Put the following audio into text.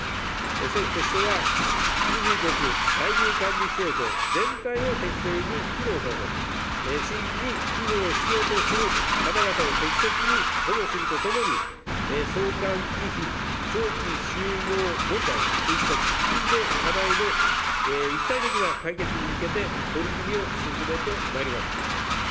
政府としては、出入国在留管理制度全体を適正に機能させ、真にひごを必要とする方々を適切に保護するとともに、送還忌避長期収容問題といった喫緊の課題の一体的な解決に向けて、取り組みを進めてまいります。